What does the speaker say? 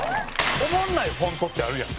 おもんないフォントってあるやん。